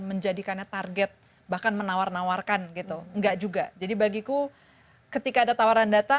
menjadikannya target bahkan menawar nawarkan gitu enggak juga jadi bagiku ketika ada tawaran data